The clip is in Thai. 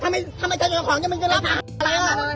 ถ้าไม่ใช่เจ้าของก็ไม่มีสิทธิ์ถาม